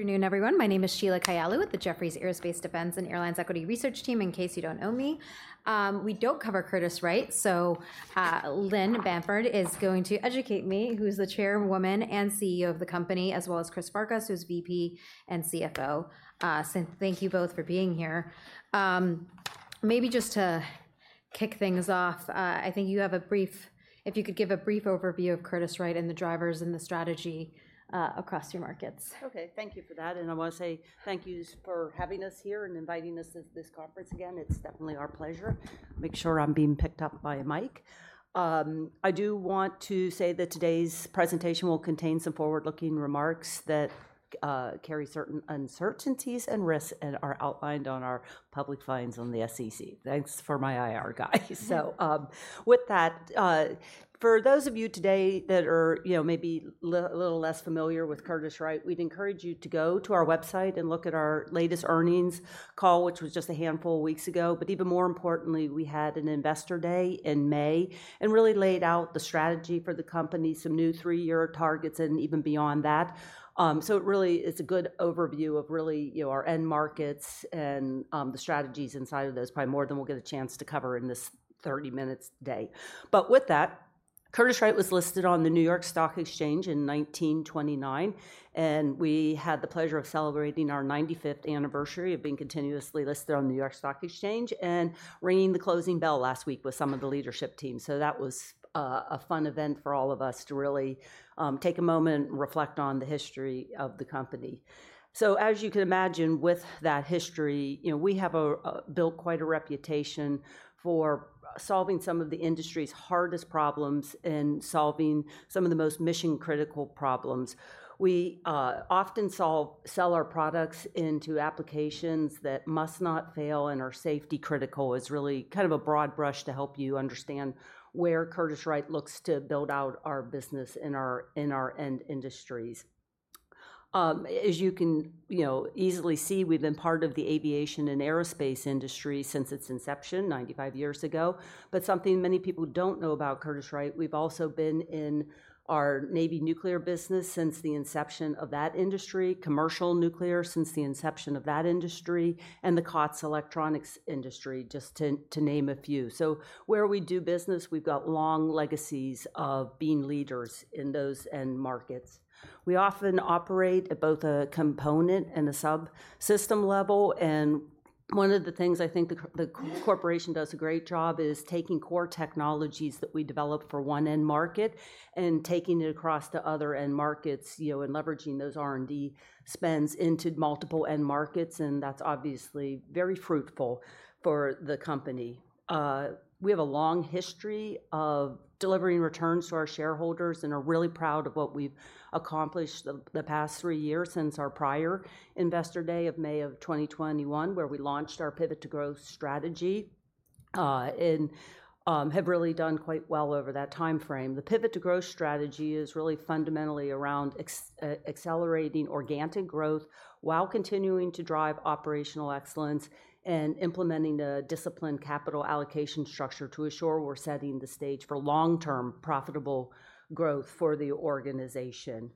Good afternoon, everyone. My name is Sheila Kahyaoglu with the Jefferies Aerospace, Defense and Airlines Equity Research Team, in case you don't know me. We don't cover Curtiss-Wright, so, Lynn Bamford is going to educate me, who's the Chairwoman and CEO of the company, as well as Chris Farkas, who's VP and CFO. So thank you both for being here. Maybe just to kick things off, I think you have a brief. If you could give a brief overview of Curtiss-Wright and the drivers and the strategy, across your markets. Okay, thank you for that, and I wanna say thank you for having us here and inviting us to this conference again. It's definitely our pleasure. Make sure I'm being picked up by a mic. I do want to say that today's presentation will contain some forward-looking remarks that carry certain uncertainties and risks and are outlined on our public filings on the SEC. Thanks for my IR guy. So, with that, for those of you today that are, you know, maybe a little less familiar with Curtiss-Wright, we'd encourage you to go to our website and look at our latest earnings call, which was just a handful of weeks ago. But even more importantly, we had an Investor Day in May and really laid out the strategy for the company, some new three-year targets and even beyond that. So it really is a good overview of really, you know, our end markets and the strategies inside of those, probably more than we'll get a chance to cover in this thirty-minute day. But with that, Curtiss-Wright was listed on the New York Stock Exchange in 1929, and we had the pleasure of celebrating our ninety-fifth anniversary of being continuously listed on the New York Stock Exchange, and ringing the closing bell last week with some of the leadership team. That was a fun event for all of us to really take a moment and reflect on the history of the company. As you can imagine, with that history, you know, we have built quite a reputation for solving some of the industry's hardest problems and solving some of the most mission-critical problems. We often sell our products into applications that must not fail and are safety critical. It's really kind of a broad brush to help you understand where Curtiss-Wright looks to build out our business in our end industries. As you can, you know, easily see, we've been part of the aviation and aerospace industry since its inception, 95 years ago. But something many people don't know about Curtiss-Wright, we've also been in our Navy nuclear business since the inception of that industry, commercial nuclear, since the inception of that industry, and the COTS electronics industry, just to name a few. So where we do business, we've got long legacies of being leaders in those end markets. We often operate at both a component and a sub-system level, and one of the things I think the corporation does a great job is taking core technologies that we develop for one end market and taking it across to other end markets, you know, and leveraging those R&D spends into multiple end markets, and that's obviously very fruitful for the company. We have a long history of delivering returns to our shareholders and are really proud of what we've accomplished the past three years since our prior Investor Day of May of 2021, where we launched our Pivot to Growth strategy, and have really done quite well over that timeframe. The Pivot to Growth strategy is really fundamentally around accelerating organic growth while continuing to drive operational excellence and implementing a disciplined capital allocation structure to ensure we're setting the stage for long-term, profitable growth for the organization.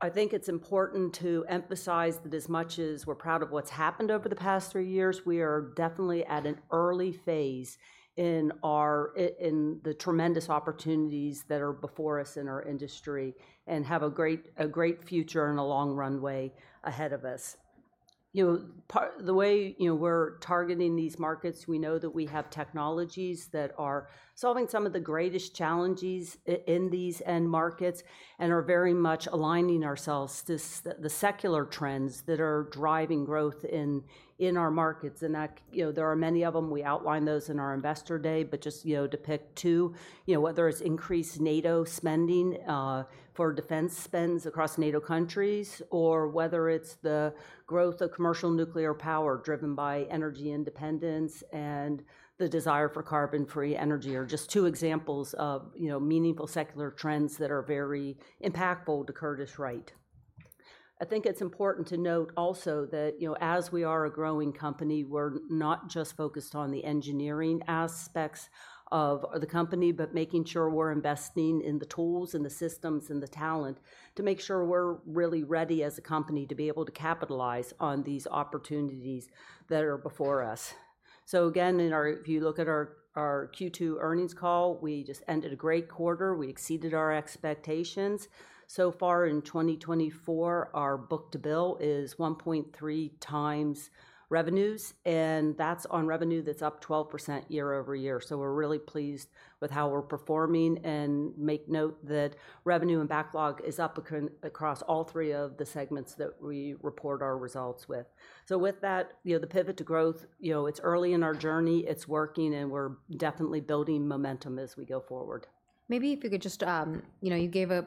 I think it's important to emphasize that as much as we're proud of what's happened over the past three years, we are definitely at an early phase in our in the tremendous opportunities that are before us in our industry and have a great future and a long runway ahead of us. You know, the way, you know, we're targeting these markets. We know that we have technologies that are solving some of the greatest challenges in these end markets and are very much aligning ourselves to the secular trends that are driving growth in our markets. That, you know, there are many of them. We outline those in our Investor Day, but just, you know, to pick two, you know, whether it's increased NATO spending for defense spends across NATO countries, or whether it's the growth of commercial nuclear power, driven by energy independence and the desire for carbon-free energy, are just two examples of, you know, meaningful secular trends that are very impactful to Curtiss-Wright. I think it's important to note also that, you know, as we are a growing company, we're not just focused on the engineering aspects of the company, but making sure we're investing in the tools and the systems and the talent to make sure we're really ready, as a company, to be able to capitalize on these opportunities that are before us. So again, in our – if you look at our Q2 earnings call, we just ended a great quarter. We exceeded our expectations. So far in 2024, our book-to-bill is 1.3 times revenues, and that's on revenue that's up 12% year-over-year. So we're really pleased with how we're performing and make note that revenue and backlog is up across all three of the segments that we report our results with. So with that, you know, the Pivot to Growth, you know, it's early in our journey. It's working, and we're definitely building momentum as we go forward. Maybe if you could just, you know, you gave a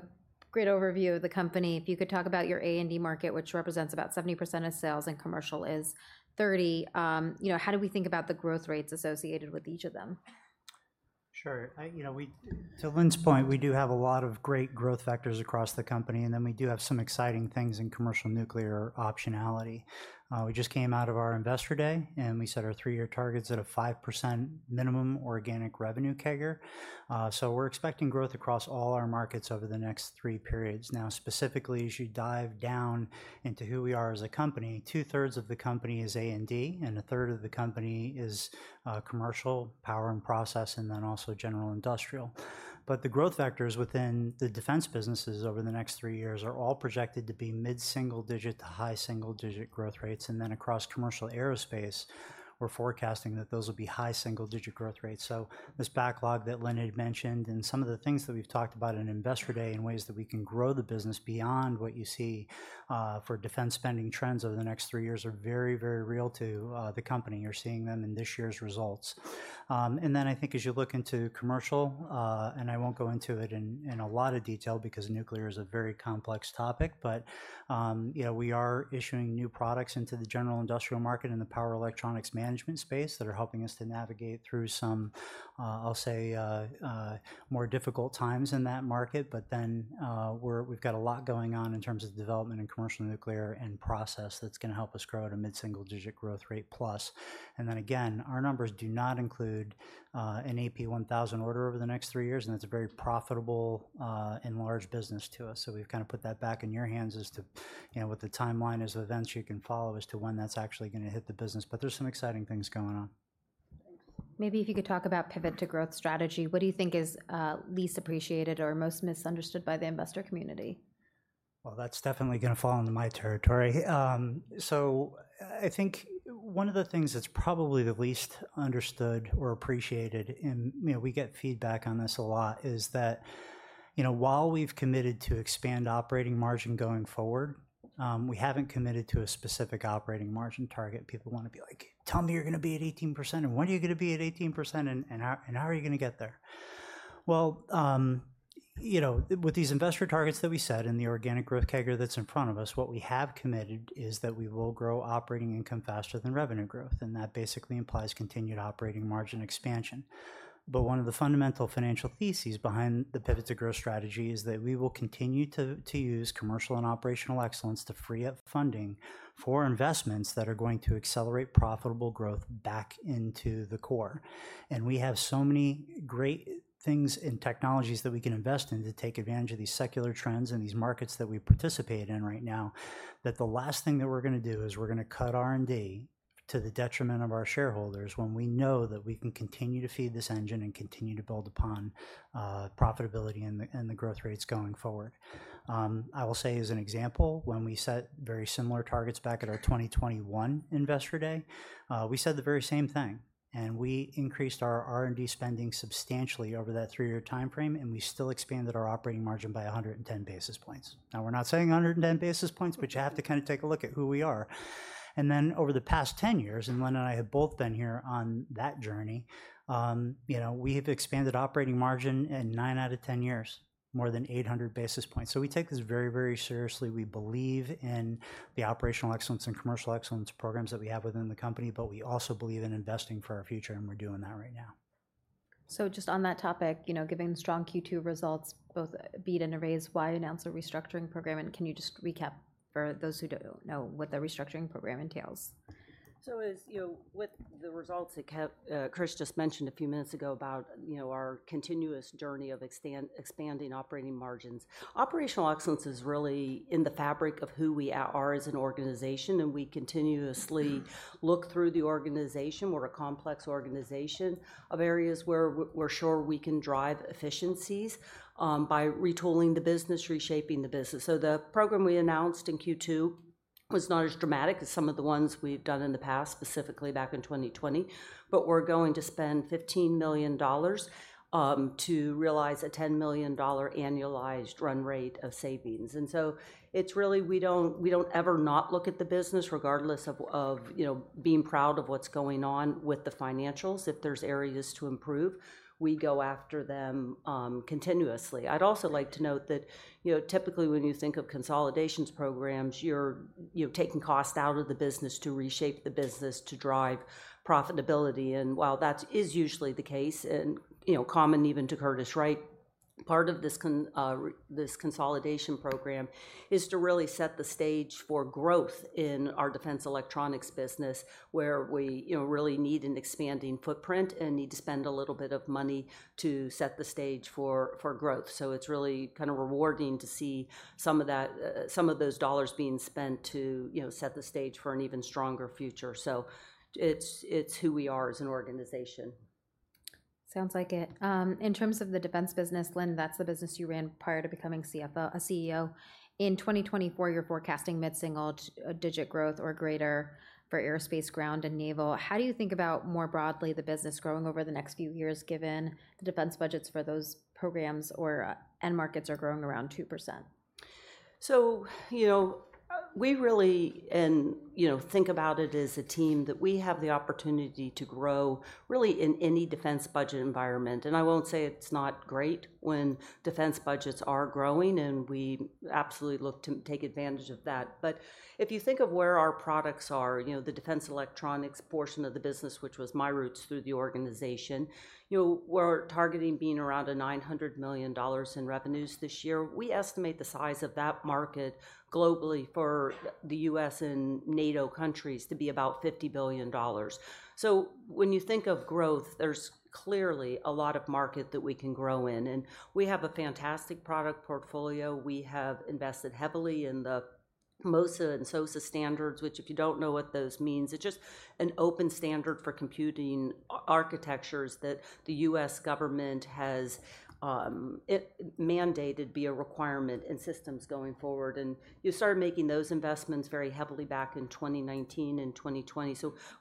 great overview of the company. If you could talk about your A&D market, which represents about 70% of sales, and commercial is 30%. You know, how do we think about the growth rates associated with each of them?... Sure. I, you know, to Lynn's point, we do have a lot of great growth vectors across the company, and then we do have some exciting things in commercial nuclear optionality. We just came out of our Investor Day, and we set our three-year targets at a 5% minimum organic revenue CAGR. So we're expecting growth across all our markets over the next three periods. Now, specifically, as you dive down into who we are as a company, two-thirds of the company is A&D, and a third of the company is commercial, power and process, and then also general industrial. But the growth vectors within the defense businesses over the next three years are all projected to be mid-single digit to high single-digit growth rates. And then across commercial aerospace, we're forecasting that those will be high single-digit growth rates. So this backlog that Lynn had mentioned and some of the things that we've talked about in Investor Day and ways that we can grow the business beyond what you see for defense spending trends over the next three years are very, very real to the company. You're seeing them in this year's results. And then I think as you look into commercial and I won't go into it in a lot of detail because nuclear is a very complex topic, but you know, we are issuing new products into the general industrial market and the power electronics management space that are helping us to navigate through some I'll say more difficult times in that market. But then, we've got a lot going on in terms of development in commercial nuclear and process that's gonna help us grow at a mid-single-digit growth rate plus. And then again, our numbers do not include an AP1000 order over the next three years, and that's a very profitable and large business to us. So we've kind of put that back in your hands as to, you know, what the timeline is, events you can follow as to when that's actually gonna hit the business. But there's some exciting things going on. Maybe if you could talk about Pivot to Growth strategy, what do you think is least appreciated or most misunderstood by the investor community? That's definitely gonna fall into my territory. So I think one of the things that's probably the least understood or appreciated, and, you know, we get feedback on this a lot, is that, you know, while we've committed to expand operating margin going forward, we haven't committed to a specific operating margin target. People want to be like: Tell me you're gonna be at 18%, and when are you gonna be at 18%, and, and how, and how are you gonna get there? You know, with these investor targets that we set and the organic growth CAGR that's in front of us, what we have committed is that we will grow operating income faster than revenue growth, and that basically implies continued operating margin expansion. One of the fundamental financial theses behind the Pivot to Growth strategy is that we will continue to use commercial and operational excellence to free up funding for investments that are going to accelerate profitable growth back into the core. We have so many great things and technologies that we can invest in to take advantage of these secular trends and these markets that we participate in right now, that the last thing that we're gonna do is we're gonna cut R&D to the detriment of our shareholders, when we know that we can continue to feed this engine and continue to build upon profitability and the growth rates going forward. I will say, as an example, when we set very similar targets back at our 2021 Investor Day, we said the very same thing, and we increased our R&D spending substantially over that three-year timeframe, and we still expanded our operating margin by 110 basis points. Now, we're not saying 110 basis points, but you have to kind of take a look at who we are, and then over the past 10 years, and Lynn and I have both been here on that journey, you know, we have expanded operating margin in nine out of 10 years, more than 800 basis points, so we take this very, very seriously. We believe in the operational excellence and commercial excellence programs that we have within the company, but we also believe in investing for our future, and we're doing that right now. So just on that topic, you know, giving strong Q2 results, both beat and a raise, why announce a restructuring program? And can you just recap for those who don't know what the restructuring program entails? As you know, with the results that Chris just mentioned a few minutes ago about, you know, our continuous journey of expanding operating margins, operational excellence is really in the fabric of who we are as an organization, and we continuously look through the organization, we're a complex organization, of areas where we're sure we can drive efficiencies by retooling the business, reshaping the business. The program we announced in Q2 was not as dramatic as some of the ones we've done in the past, specifically back in 2020, but we're going to spend $15 million to realize a $10 million annualized run rate of savings. It's really we don't, we don't ever not look at the business, regardless of you know, being proud of what's going on with the financials. If there's areas to improve, we go after them continuously. I'd also like to note that, you know, typically when you think of consolidations programs, you've taken costs out of the business to reshape the business to drive profitability. And while that is usually the case, and, you know, common even to Curtiss-Wright, right? Part of this consolidation program is to really set the stage for growth in our Defense Electronics business, where we, you know, really need an expanding footprint and need to spend a little bit of money to set the stage for growth. So it's really kind of rewarding to see some of that, some of those dollars being spent to, you know, set the stage for an even stronger future. So it's who we are as an organization. Sounds like it. In terms of the defense business, Lynn, that's the business you ran prior to becoming CFO, CEO. In 2024, you're forecasting mid-single digit growth or greater for aerospace, ground, and naval. How do you think about, more broadly, the business growing over the next few years, given the defense budgets for those programs or, end markets are growing around 2%? You know, we really think about it as a team that we have the opportunity to grow really in any defense budget environment. I won't say it's not great when defense budgets are growing, and we absolutely look to take advantage of that. If you think of where our products are, you know, the Defense Electronics portion of the business, which was my roots through the organization, you know, we're targeting being around $900 million in revenues this year. We estimate the size of that market globally for the U.S. and NATO countries to be about $50 billion. When you think of growth, there's clearly a lot of market that we can grow in, and we have a fantastic product portfolio. We have invested heavily in the MOSA and SOSA standards, which, if you don't know what those means, it's just an open standard for computing architectures that the U.S. government has, it mandated be a requirement in systems going forward. You started making those investments very heavily back in 2019 and 2020.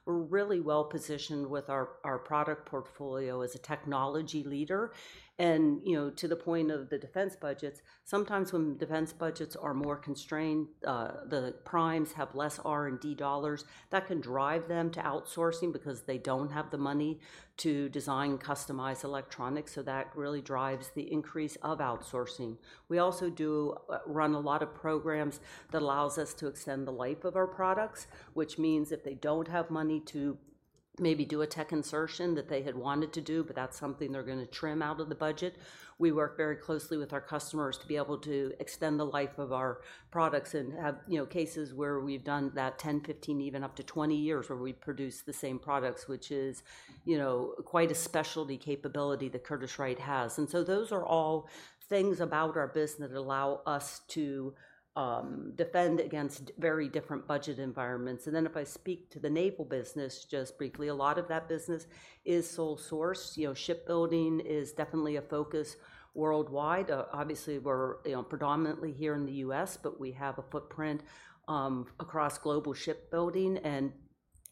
We're really well-positioned with our, our product portfolio as a technology leader. You know, to the point of the defense budgets, sometimes when defense budgets are more constrained, the primes have less R&D dollars, that can drive them to outsourcing because they don't have the money to design customized electronics, so that really drives the increase of outsourcing. We also do run a lot of programs that allows us to extend the life of our products, which means if they don't have money to maybe do a tech insertion that they had wanted to do, but that's something they're gonna trim out of the budget. We work very closely with our customers to be able to extend the life of our products and have, you know, cases where we've done that 10, 15, even up to 20 years, where we produce the same products, which is, you know, quite a specialty capability that Curtiss-Wright has. Those are all things about our business that allow us to defend against very different budget environments. If I speak to the naval business, just briefly, a lot of that business is sole source. You know, shipbuilding is definitely a focus worldwide. Obviously, we're, you know, predominantly here in the U.S., but we have a footprint across global shipbuilding, and,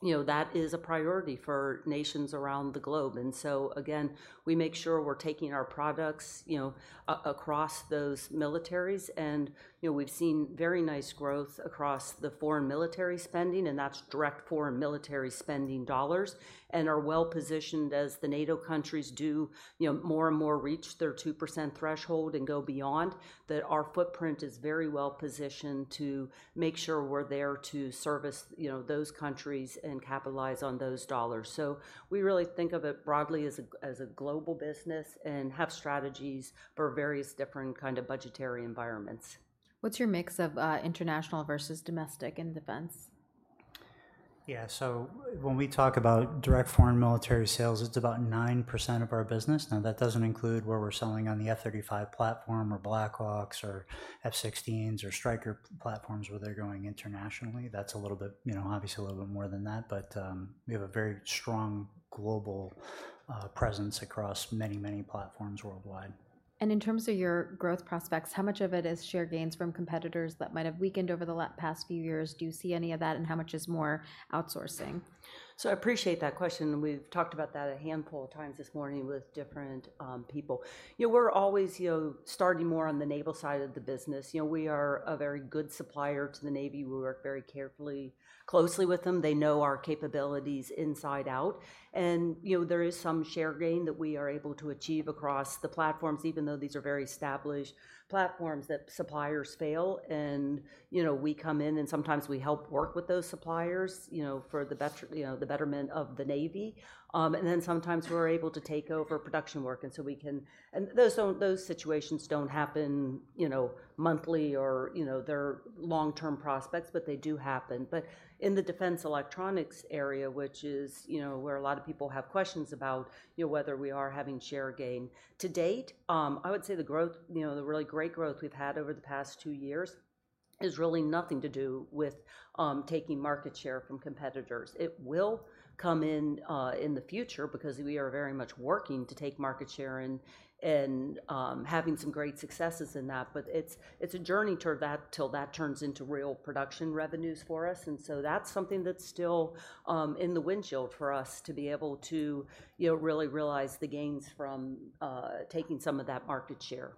you know, that is a priority for nations around the globe. So again, we make sure we're taking our products, you know, across those militaries. And, you know, we've seen very nice growth across the foreign military spending, and that's direct foreign military spending dollars, and we are well-positioned as the NATO countries do, you know, more and more reach their 2% threshold and go beyond. That our footprint is very well-positioned to make sure we're there to service, you know, those countries and capitalize on those dollars. We really think of it broadly as a global business and have strategies for various different kind of budgetary environments. What's your mix of international versus domestic in defense? Yeah, so when we talk about direct Foreign Military Sales, it's about 9% of our business. Now, that doesn't include where we're selling on the F-35 platform or Black Hawks, or F-16s, or Stryker platforms, where they're going internationally. That's a little bit, you know, obviously a little bit more than that, but we have a very strong global presence across many, many platforms worldwide. And in terms of your growth prospects, how much of it is share gains from competitors that might have weakened over the past few years? Do you see any of that, and how much is more outsourcing? So I appreciate that question. We've talked about that a handful of times this morning with different people. You know, we're always, you know, starting more on the naval side of the business. You know, we are a very good supplier to the Navy. We work very carefully, closely with them. They know our capabilities inside out, and, you know, there is some share gain that we are able to achieve across the platforms, even though these are very established platforms, that suppliers fail, and, you know, we come in and sometimes we help work with those suppliers, you know, for the better, you know, the betterment of the Navy. And then sometimes we're able to take over production work. Those situations don't happen, you know, monthly or, you know, they're long-term prospects, but they do happen. But in the Defense Electronics area, which is, you know, where a lot of people have questions about, you know, whether we are having share gain, to date, I would say the growth, you know, the really great growth we've had over the past two years is really nothing to do with taking market share from competitors. It will come in the future because we are very much working to take market share and having some great successes in that. But it's a journey toward that, till that turns into real production revenues for us, and so that's something that's still in the windshield for us to be able to, you know, really realize the gains from taking some of that market share.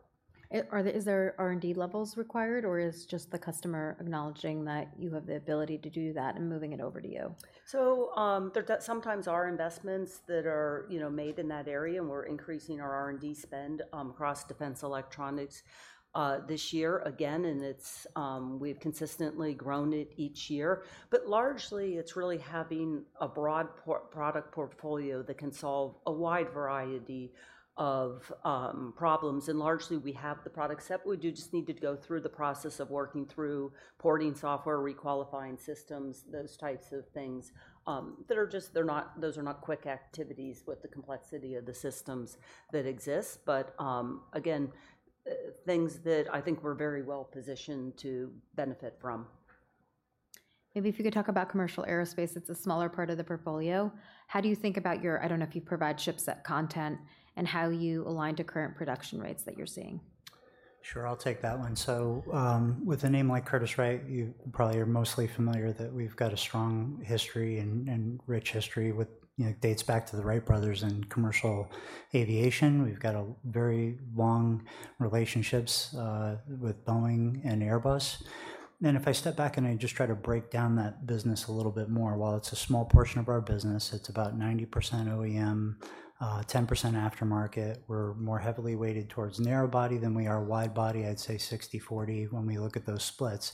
Is there R&D levels required, or is just the customer acknowledging that you have the ability to do that and moving it over to you? So there sometimes are investments that are, you know, made in that area, and we're increasing our R&D spend across Defense Electronics this year again, and it's we've consistently grown it each year. But largely, it's really having a broad product portfolio that can solve a wide variety of problems. And largely, we have the products, except we do just need to go through the process of working through porting software, requalifying systems, those types of things that are just, they're not quick activities with the complexity of the systems that exist. But again, things that I think we're very well-positioned to benefit from. Maybe if you could talk about commercial aerospace. It's a smaller part of the portfolio. How do you think about your... I don't know if you provide chipset content, and how you align to current production rates that you're seeing? Sure, I'll take that one. With a name like Curtiss-Wright, you probably are mostly familiar that we've got a strong history and rich history with, you know, dates back to the Wright brothers in commercial aviation. We've got a very long relationships with Boeing and Airbus. If I step back and I just try to break down that business a little bit more, while it's a small portion of our business, it's about 90% OEM, 10% aftermarket. We're more heavily weighted towards narrow body than we are wide body. I'd say 60/40 when we look at those splits.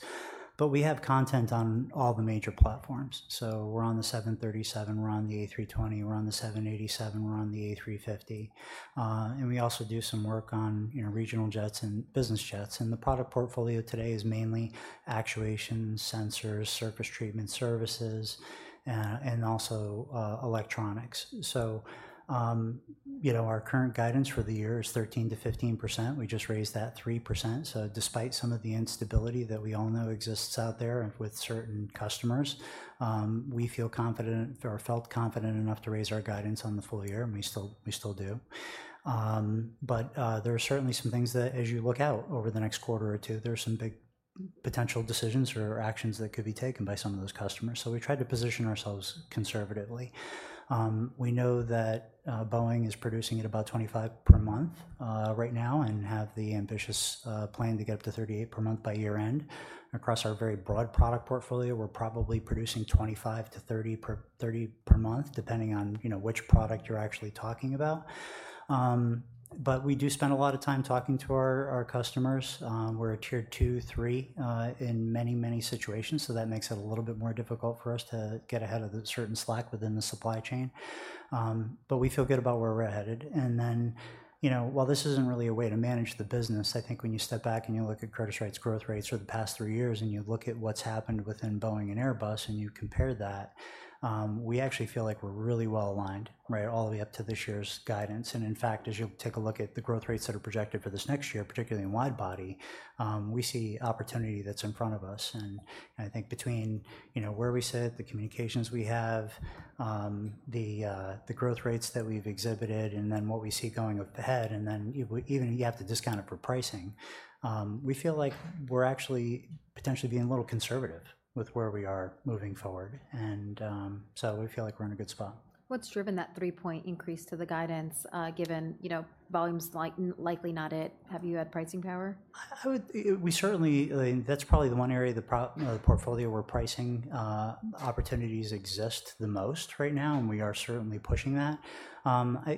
But we have content on all the major platforms. We're on the 737, we're on the A320, we're on the 787, we're on the A350. And we also do some work on, you know, regional jets and business jets. And the product portfolio today is mainly actuation, sensors, surface treatment services, and also, electronics. So, you know, our current guidance for the year is 13%-15%. We just raised that 3%. So despite some of the instability that we all know exists out there with certain customers, we feel confident or felt confident enough to raise our guidance on the full-year, and we still, we still do. But, there are certainly some things that as you look out over the next quarter or two, there are some big potential decisions or actions that could be taken by some of those customers. So we try to position ourselves conservatively. We know that Boeing is producing at about 25 per month right now, and have the ambitious plan to get up to 38 per month by year-end. Across our very broad product portfolio, we're probably producing 25 to 30 per month, depending on, you know, which product you're actually talking about. But we do spend a lot of time talking to our customers. We're a Tier 2, 3, in many, many situations, so that makes it a little bit more difficult for us to get ahead of the certain slack within the supply chain. But we feel good about where we're headed. And then, you know, while this isn't really a way to manage the business, I think when you step back and you look at Curtiss-Wright's growth rates for the past three years, and you look at what's happened within Boeing and Airbus, and you compare that, we actually feel like we're really well aligned, right, all the way up to this year's guidance. And in fact, as you take a look at the growth rates that are projected for this next year, particularly in wide body, we see opportunity that's in front of us. And I think between, you know, where we sit, the communications we have, the growth rates that we've exhibited, and then what we see going ahead, and then even you have to discount it for pricing, we feel like we're actually potentially being a little conservative with where we are moving forward. And, so we feel like we're in a good spot. What's driven that three-point increase to the guidance, given, you know, volume's likely not it? Have you had pricing power? We certainly. That's probably the one area of the portfolio where pricing opportunities exist the most right now, and we are certainly pushing that.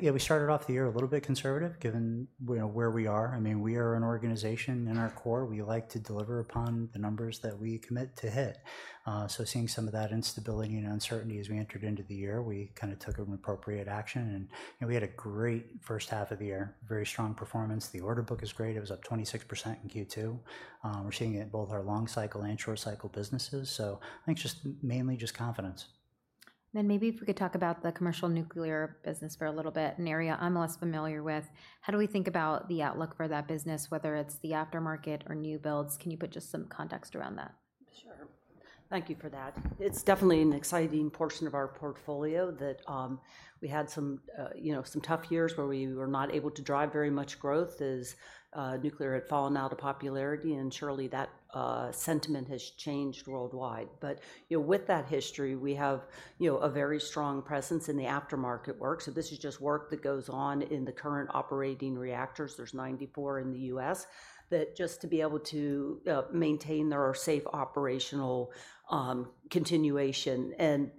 Yeah, we started off the year a little bit conservative, given, you know, where we are. I mean, we are an organization in our core. We like to deliver upon the numbers that we commit to hit. So seeing some of that instability and uncertainty as we entered into the year, we kinda took an appropriate action, and, you know, we had a great first half of the year, very strong performance. The order book is great. It was up 26% in Q2. We're seeing it in both our long cycle and short cycle businesses, so I think just, mainly just confidence. Then maybe if we could talk about the commercial nuclear business for a little bit, an area I'm less familiar with. How do we think about the outlook for that business, whether it's the aftermarket or new builds? Can you put just some context around that? Sure. Thank you for that. It's definitely an exciting portion of our portfolio that we had some, you know, some tough years where we were not able to drive very much growth as nuclear had fallen out of popularity, and surely that sentiment has changed worldwide. But, you know, with that history, we have, you know, a very strong presence in the aftermarket work. So this is just work that goes on in the current operating reactors. There's 94 in the U.S., that just to be able to maintain their safe operational continuation. And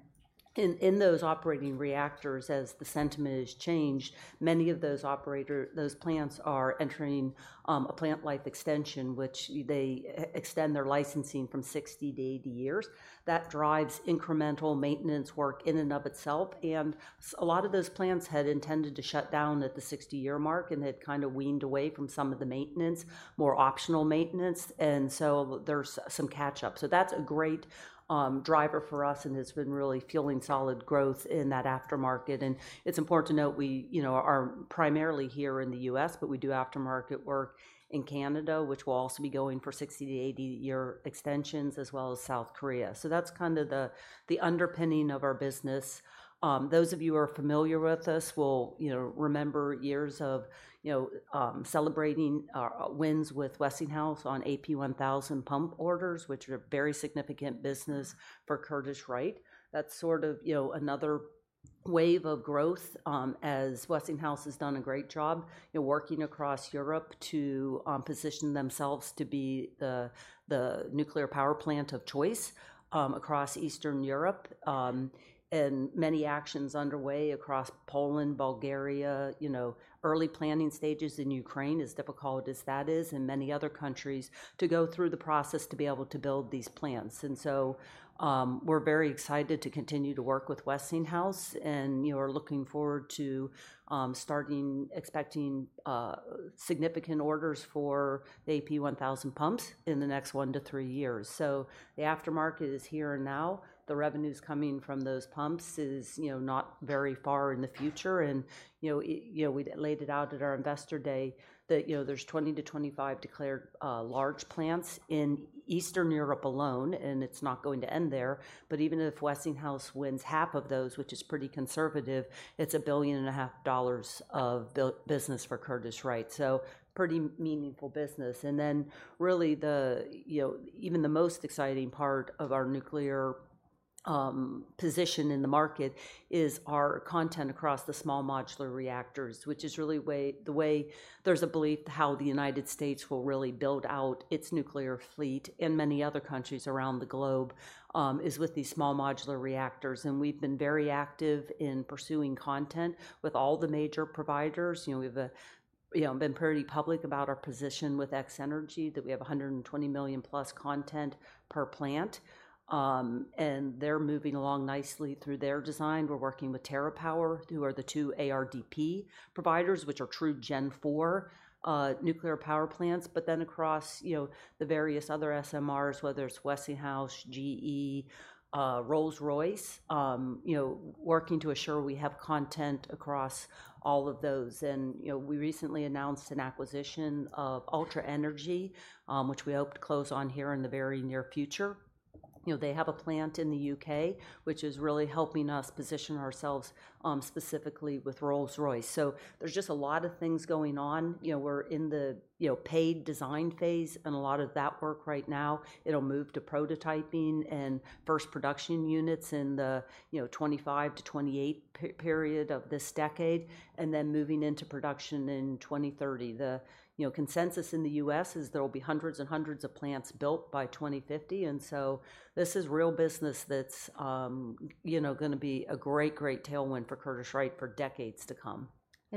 in those operating reactors, as the sentiment has changed, many of those operators of those plants are entering a plant life extension, which they extend their licensing from 60 to 80 years. That drives incremental maintenance work in and of itself, and a lot of those plants had intended to shut down at the sixty-year mark and had kinda weaned away from some of the maintenance, more optional maintenance, and so there's some catch-up. So that's a great driver for us, and it's been really fueling solid growth in that aftermarket. And it's important to note we, you know, are primarily here in the U.S., but we do aftermarket work in Canada, which will also be going for 60 to 80 year extensions, as well as South Korea. So that's kinda the underpinning of our business. Those of you who are familiar with us will, you know, remember years of celebrating wins with Westinghouse on AP1000 pump orders, which are a very significant business for Curtiss-Wright. That's sort of, you know, another wave of growth, as Westinghouse has done a great job in working across Europe to position themselves to be the nuclear power plant of choice across Eastern Europe, and many actions underway across Poland, Bulgaria, you know, early planning stages in Ukraine, as difficult as that is, and many other countries, to go through the process to be able to build these plants. And so, we're very excited to continue to work with Westinghouse and, you know, are looking forward to expecting significant orders for the AP1000 pumps in the next one to three years. So the aftermarket is here and now. The revenues coming from those pumps is, you know, not very far in the future. You know, we laid it out at our Investor Day that, you know, there's 20 to 25 declared large plants in Eastern Europe alone, and it's not going to end there. Even if Westinghouse wins half of those, which is pretty conservative, it's $1.5 billion of business for Curtiss-Wright. Pretty meaningful business. Then really the, you know, even the most exciting part of our nuclear position in the market is our content across the small modular reactors, which is really the way there's a belief how the United States will really build out its nuclear fleet and many other countries around the globe is with these small modular reactors. We've been very active in pursuing content with all the major providers. You know, we've been pretty public about our position with X-energy, that we have $120 million plus content per plant, and they're moving along nicely through their design. We're working with TerraPower, who are the two ARDP providers, which are true Gen IV nuclear power plants. But then across, you know, the various other SMRs, whether it's Westinghouse, GE, Rolls-Royce, you know, working to assure we have content across all of those. And, you know, we recently announced an acquisition of Ultra Energy, which we hope to close on here in the very near future. You know, they have a plant in the U.K., which is really helping us position ourselves, specifically with Rolls-Royce. So there's just a lot of things going on. You know, we're in the, you know, paid design phase and a lot of that work right now, it'll move to prototyping and first production units in the, you know, 2025 to 2028 period of this decade, and then moving into production in 2030. The, you know, consensus in the U.S. is there will be hundreds and hundreds of plants built by 2050, and so this is real business that's, you know, gonna be a great, great tailwind for Curtiss-Wright for decades to come.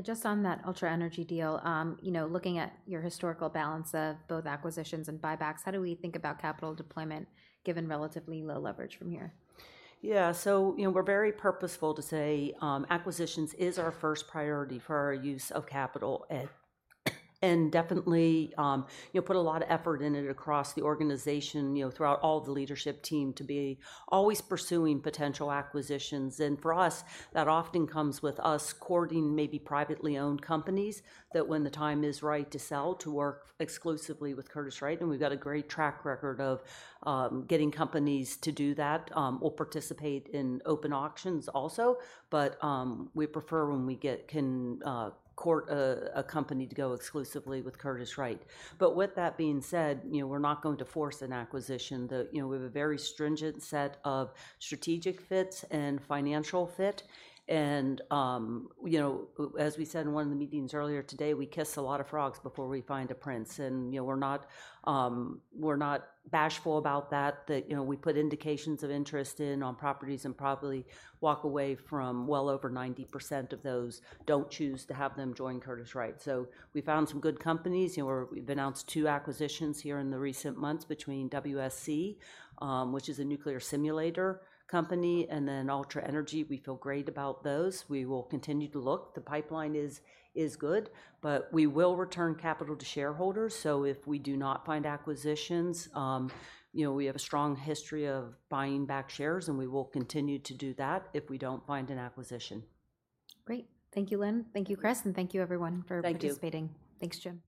Just on that Ultra Energy deal, you know, looking at your historical balance of both acquisitions and buybacks, how do we think about capital deployment, given relatively low leverage from here? Yeah. So, you know, we're very purposeful to say, acquisitions is our first priority for our use of capital, and definitely, you know, put a lot of effort in it across the organization, you know, throughout all the leadership team to be always pursuing potential acquisitions. And for us, that often comes with us courting maybe privately owned companies, that when the time is right to sell, to work exclusively with Curtiss-Wright, and we've got a great track record of, getting companies to do that, or participate in open auctions also. But, we prefer when we can court a company to go exclusively with Curtiss-Wright. But with that being said, you know, we're not going to force an acquisition. You know, we have a very stringent set of strategic fits and financial fit, and, you know, as we said in one of the meetings earlier today, we kiss a lot of frogs before we find a prince. And, you know, we're not bashful about that, that, you know, we put indications of interest in on properties and probably walk away from well over 90% of those, don't choose to have them join Curtiss-Wright. So we found some good companies. You know, we've announced two acquisitions here in the recent months between WSC, which is a nuclear simulator company, and then Ultra Energy. We feel great about those. We will continue to look. The pipeline is good, but we will return capital to shareholders. If we do not find acquisitions, you know, we have a strong history of buying back shares, and we will continue to do that if we don't find an acquisition. Great. Thank you, Lynn. Thank you, Chris, and thank you, everyone, for participating. Thank you. Thanks, Jim.